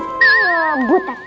enggak butet kakak